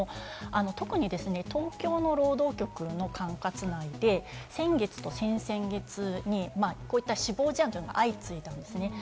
特にですね、東京の労働局の管轄内で、先月と先々月にこういった死亡事案が相次いだんですね。